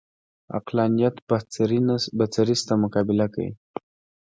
عقلانیت بڅري شته مقابله کوي